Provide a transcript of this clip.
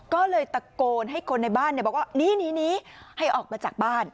ก็เลยตะโกนให้คนในบ้านบอกว่านี่ให้ออกมาจากบ้าน